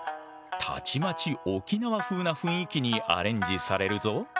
たちまち沖縄風な雰囲気にアレンジされるぞ。